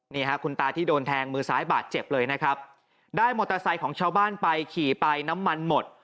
นี่ฮะคุณตาที่โดนแทงมือซ้ายบาดเจ็บเลยนะครับได้มอเตอร์ไซค์ของชาวบ้านไปขี่ไปน้ำมันหมด